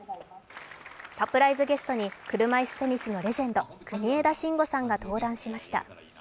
サプライズゲストに車いすテニスのレジェンド、国枝慎吾さんが登壇しました。